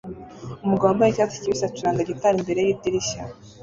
Umugabo wambaye icyatsi kibisi acuranga gitari imbere yidirishya